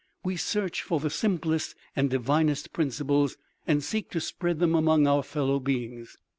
We search for the simplest and divinest principles, and seek to spread them among our fellow beings.